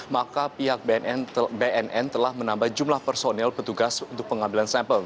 maka pihak bnn telah menambah jumlah personil petugas untuk pengambilan sampel